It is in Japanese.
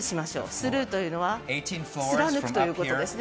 スルーというのは貫くということですね。